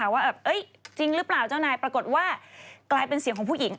ว่าจริงหรือเปล่าเจ้านายปรากฏว่ากลายเป็นเสียงของผู้หญิง